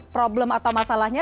problem atau masalahnya